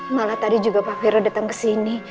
malah tadi juga pak fero datang kesini